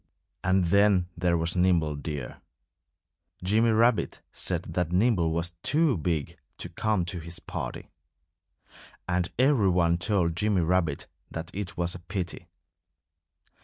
And then there was Nimble Deer. Jimmy Rabbit said that Nimble was too big to come to his party. And every one told Jimmy Rabbit that it was a pity.